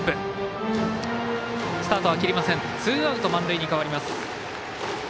ツーアウト、満塁に変わります。